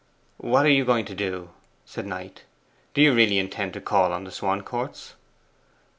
'What are you going to do?' said Knight. 'Do you really intend to call on the Swancourts?